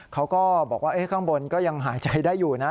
เขาก็บอกว่าข้างบนก็ยังหายใจได้อยู่นะ